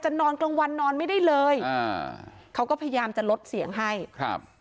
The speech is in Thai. นอนกลางวันนอนไม่ได้เลยอ่าเขาก็พยายามจะลดเสียงให้ครับ